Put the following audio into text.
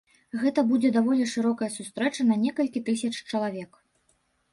Гэта будзе даволі шырокая сустрэча на некалькі тысяч чалавек.